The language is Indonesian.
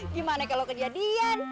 gimana kalau kejadian